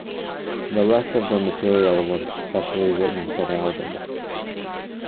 The rest of the material was specially written for the album.